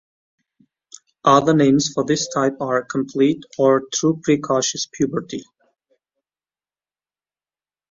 Other names for this type are "complete" or "true precocious" puberty.